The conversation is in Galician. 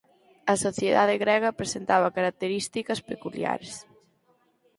A sociedade grega presentaba características peculiares.